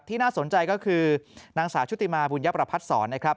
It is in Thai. ที่น่าสนใจก็คือนางศาชุธิมาบุญพระพัฒน์สอนนะครับ